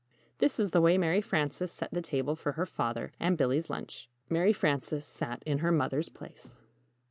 This is the way Mary Frances set the table for her father and Billy's lunch. Mary Frances sat in her mother's place.